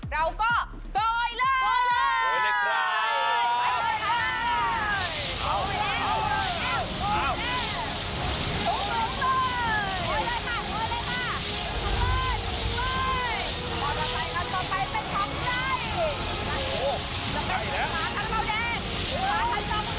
ได้แล้ว